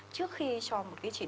trước khi cho một cái chỉ định nội soi